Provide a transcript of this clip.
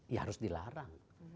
ya harus dilarang